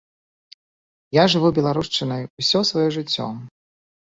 Я жыву беларушчынай усё сваё жыццё.